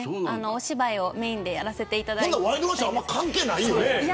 お芝居をメーンでやらせていただきたい。